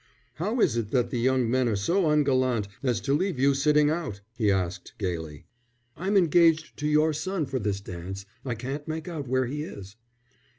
"How is it the young men are so ungallant as to leave you sitting out?" he asked, gaily. "I'm engaged to your son for this dance; I can't make out where he is."